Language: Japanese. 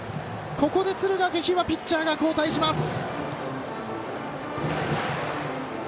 ここで敦賀気比はピッチャーが交代します。